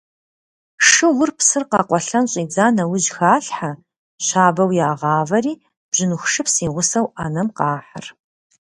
Шыгъур псыр къэкъуэлъэн щӏидза нэужь халъхьэ, щабэу ягъавэри бжьыныху шыпс и гъусэу ӏэнэм къахьыр.